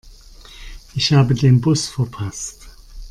Ich habe den Bus verpasst.